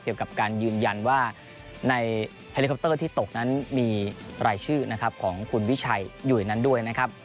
เกี่ยวกับการยืนยันว่าในเฮลิคอปเตอร์ที่ตกนั้นมีรายชื่อนะครับของคุณวิชัยอยู่ในนั้นด้วยนะครับ